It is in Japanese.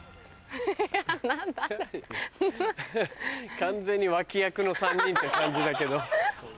完全に脇役の３人って感じだけど。